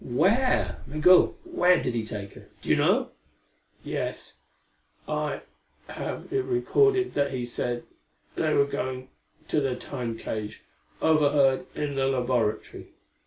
"Where? Migul, where did he take her? Do you know?" "Yes. I have it recorded that he said they were going to the Time cage overhead in the laboratory.